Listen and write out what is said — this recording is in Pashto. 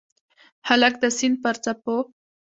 هلک د سیند پر څپو